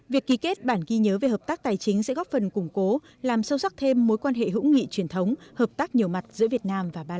việc ký kết bản ghi nhớ về hợp tác tài chính sẽ góp phần củng cố làm sâu sắc thêm mối quan hệ hữu nghị truyền thống hợp tác nhiều mặt giữa việt nam và ba lan